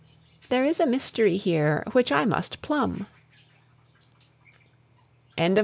There is a mystery here which I must plumb. IV.